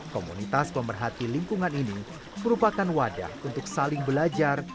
komunitas pemerhati lingkungan ini merupakan wadah untuk saling belajar